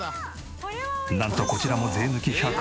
なんとこちらも税抜き１００円で販売すると。